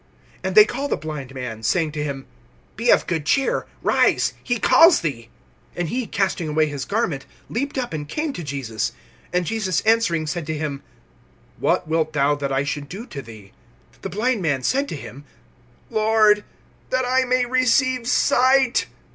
And they call the blind man, saying to him: Be of good cheer; rise, he calls thee. (50)And he, casting away his garment, leaped up, and came to Jesus. (51)And Jesus answering said to him: What wilt thou that I should do to thee? The blind man said to him: Lord, that I may receive sight.